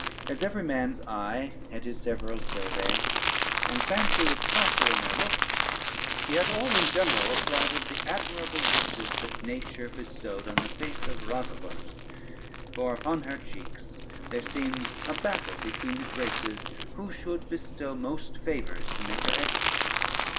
As every man's eye had his several survey, and fancy was partial in their looks, yet all in general applauded the admirable riches that nature bestowed on the face of Rosalynde; for upon her cheeks there seemed a battle between the Graces, who should bestow most favors to make her excellent.